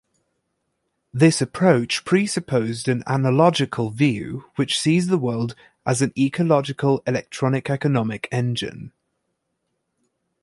This approach presupposed an analogical view which sees the world as an ecological-electronic-economic engine.